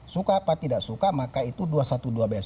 suka apa tidak suka maka itu dua ratus dua belas besok